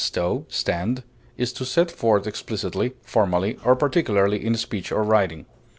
sto, stand) is to set forth explicitly, formally, or particularly in speech or writing.